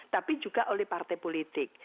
tapi juga oleh partai politik